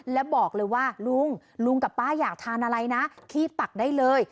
แล้วบอกเลยว่าลุงลุงกับป้าอยากทานอะไรนะขีดปักได้เลย